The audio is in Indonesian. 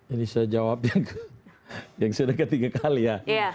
ini saya jawab yang sudah ketiga kali ya